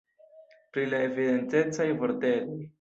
Pri la "Evidentecaj" vortetoj